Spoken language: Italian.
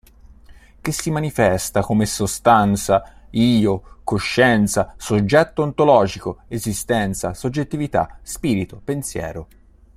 Che si manifesta come sostanza, io, coscienza, soggetto ontologico, esistenza, soggettività, spirito, pensiero.